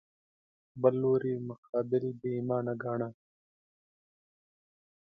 بل لوري مقابل بې ایمانه ګاڼه